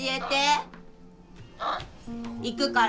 行くから。